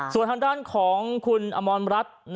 ส่วนทางด้านของคุณอมรรัฐ